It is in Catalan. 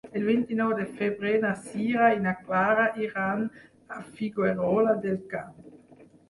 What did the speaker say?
El vint-i-nou de febrer na Sira i na Clara iran a Figuerola del Camp.